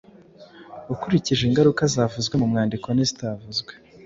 Ukurikije ingaruka zavuzwe mu mwandiko n’izitavuzwe,